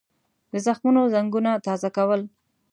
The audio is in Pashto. د زخمونو زنګونه تازه کول.